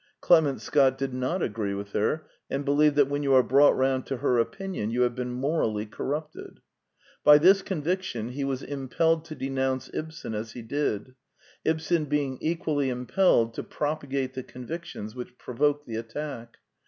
Clement Scott did not agree with her, and believed that when you are brought round to her opinion you have been morally corrupted. By this conviction he was impelled to denounce Ibsen as he did, Ibsen being equally impelled to propagate the convic tions which provoked the attack.